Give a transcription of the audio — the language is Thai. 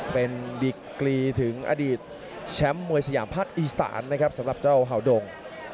เป็นดิกรีถึงอดีตแชมป์มวยสยามภาคอีสานนะครับสำหรับเจ้าเห่าดง